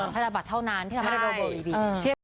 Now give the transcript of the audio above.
แต่ละบัตรเท่านั้นที่เราไม่ได้โรคบอกอีก